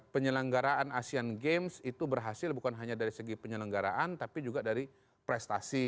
penyelenggaraan asean games itu berhasil bukan hanya dari segi penyelenggaraan tapi juga dari prestasi